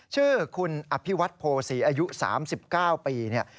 ชื่อคุณอภิวัตโภษีอายุ๓๙ปีเนี่ย